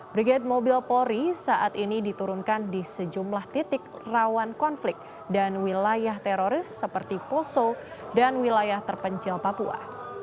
brigade mobil polri saat ini diturunkan di sejumlah titik rawan konflik dan wilayah teroris seperti poso dan wilayah terpencil papua